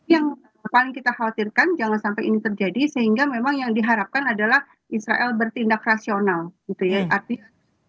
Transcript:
yang paling kita khawatirkan jangan sampai ini terjadi sehingga memang yang diharapkan adalah israel bertindak rasional gitu ya